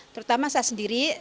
terutama saya sendiri